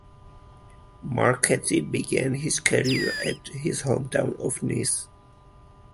Marchetti began his career at in his hometown of Nice.